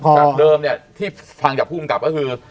จากเดิมที่ฟังจากผู้กับก็คือ